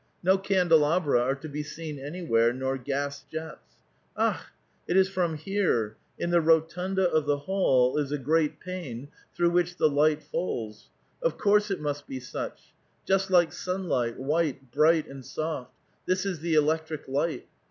no candelabra are to be seen anywhere, nor gas jets. Akh ! it is from here — in the rotunda of the hall is a great pane through which the light falls ; of course it must be such — just like sunlight, wliite, bright, and soft ; this is the electric light.